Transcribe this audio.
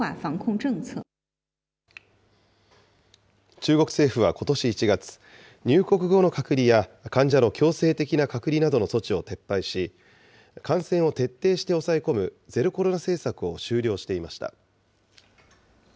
中国政府はことし１月、入国後の隔離や患者の強制的な隔離などの措置を撤廃し、感染を徹底して抑え込むゼロコロナ政策を終了していました。